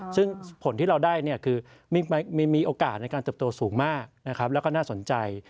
ซึ่งผลที่เราได้คือมีโอกาสในการเติบโตสูงมากนะครับแล้วก็น่าสนใจ